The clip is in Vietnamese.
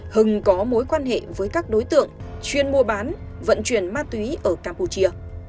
hưng có mối quan hệ với các đối tượng chuyên mua bán vận chuyển ma túy ở campuchia